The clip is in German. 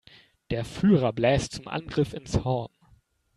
Der Führer bläst zum Angriff ins Horn.